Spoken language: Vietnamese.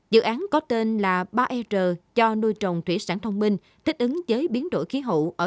cái án có tên là ba er cho nuôi trồng thủy sản thông minh thích ứng giới biến đổi khí hậu ở